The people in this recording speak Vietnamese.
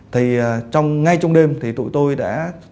thì ngay trong đêm thì tụi tôi đã